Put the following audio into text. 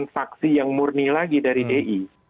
faksi yang murni lagi dari di